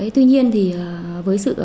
tuy nhiên thì với sự